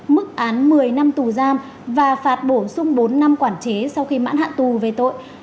mức án một mươi năm tù giam và phạt bổ sung bốn năm quản chế sau khi mãn hạn tù về tội